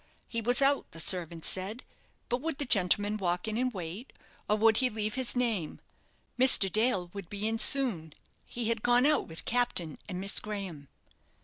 He was out, the servant said, but would the gentleman walk in and wait, or would he leave his name. Mr. Dale would be in soon; he had gone out with Captain and Miss Graham.